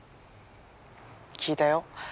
聞いたよ